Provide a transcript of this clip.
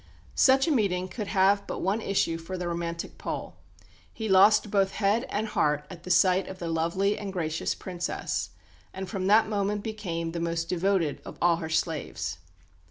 Such a meeting could have but one issue for the romantic Pole. He lost both head and heart at sight of the lovely and gracious Princess, and from that moment became the most devoted of all her slaves.